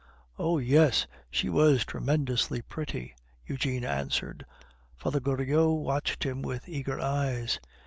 "Oh! yes, she was tremendously pretty," Eugene answered. Father Goriot watched him with eager eyes.